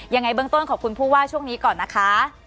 ยังไงเบื้องต้นขอบคุณผู้ว่าช่วงนี้ก่อนนะคะ